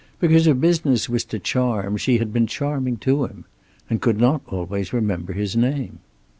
Because her business was to charm, she had been charming to him. And could not always remember his name!